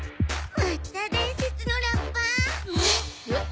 また伝説のラッパー？おっ？